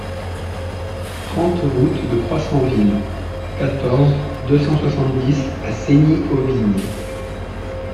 trente route de Croissanville, quatorze, deux cent soixante-dix à Cesny-aux-Vignes